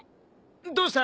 どうした？